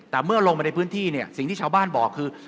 แต่เมื่อลงไปในพื้นที่เนี่ยสิ่งที่ชาวบ้านบอกคือ